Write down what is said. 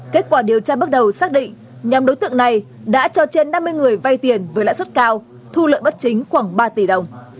kết quả điều tra bước đầu xác định nhóm đối tượng này đã cho trên năm mươi người vay tiền với lãi suất cao thu lợi bất chính khoảng ba tỷ đồng